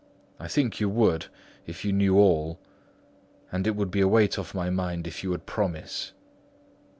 I think you would, if you knew all; and it would be a weight off my mind if you would promise."